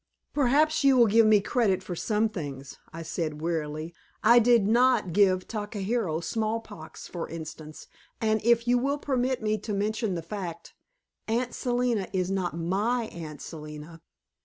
"Perhaps you will give me credit for some things," I said wearily. "I did NOT give Takahiro smallpox, for instance, and if you will permit me to mention the fact Aunt Selina is not MY Aunt Selina."